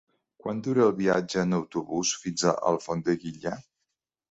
Quant dura el viatge en autobús fins a Alfondeguilla?